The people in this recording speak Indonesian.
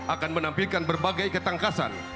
akan menampilkan berbagai ketangkasan